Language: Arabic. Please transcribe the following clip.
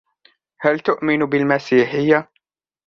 هل تؤمن بالمسيحية ؟